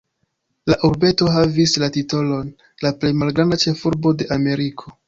La urbeto havis la titolon "la plej malgranda ĉefurbo de Ameriko".